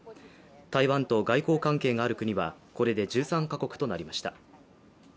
台湾と外交関係がある国はこれで１３か国となりました。